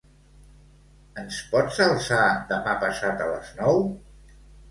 Ens pots alçar demà passat a les nou?